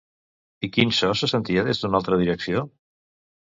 I quin so se sentia des d'una altra direcció?